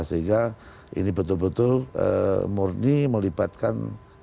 sehingga ini betul betul murni melibatkan